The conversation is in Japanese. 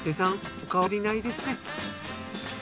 お変わりないですかね？